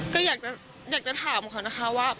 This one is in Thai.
ก็อยากจะถามเขานะคะว่า